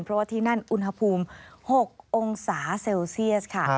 เพราะว่าที่นั่นอุณหภูมิ๖องศาเซลเซียสค่ะ